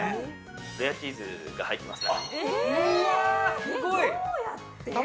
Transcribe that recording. レアチーズが入ってます。